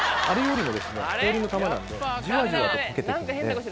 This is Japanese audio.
あれよりも。